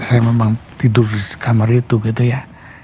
saya memang tidur di kamar itu gitu ya